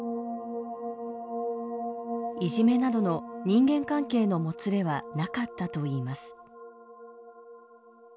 いじめなどの人間関係のもつれはなかったといいます。